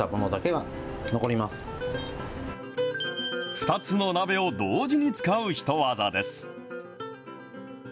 ２つの鍋を同時に使うヒトワザです。